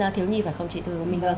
thiếu nhi phải không chị thu